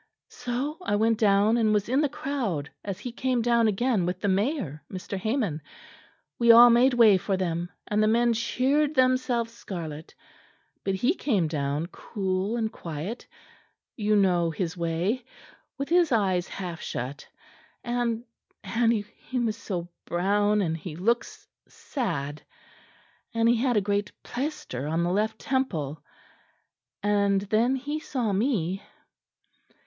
So I went down and was in the crowd as he came down again with the mayor, Mr. Hamon; we all made way for them, and the men cheered themselves scarlet; but he came down cool and quiet; you know his way with his eyes half shut; and and he was so brown; and he looks sad and he had a great plaister on the left temple. And then he saw me."